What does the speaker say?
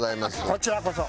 こちらこそ。